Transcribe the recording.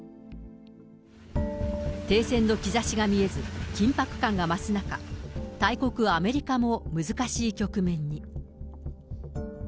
停戦の兆しが見えず緊迫感が増す中、大国、アメリカも難しい局面に。